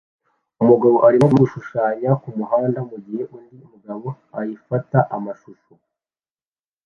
Umugabo arimo gushushanya kumuhanda mugihe undi mugabo ayifata amashusho